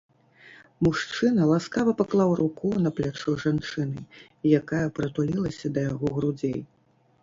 Мужчына ласкава паклаў руку на плячо жанчыны, якая прытулілася да яго грудзей.